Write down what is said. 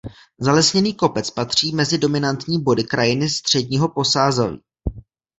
Zalesněný kopec patří mezi dominantní body krajiny středního Posázaví.